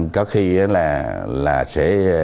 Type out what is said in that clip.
có khi là sẽ